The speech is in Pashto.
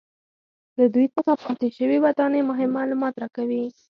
له دوی څخه پاتې شوې ودانۍ مهم معلومات راکوي